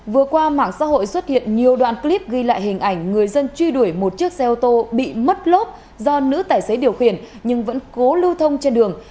vừa qua mạng xã hội xuất hiện nhiều đoạn clip ghi lại hình ảnh người dân truy đuổi một chiếc xe ô tô bị mất lốp do nữ tài xế điều khiển nhưng vẫn cố lưu thông trên đường